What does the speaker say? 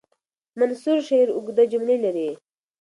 منثور شعر اوږده جملې لري.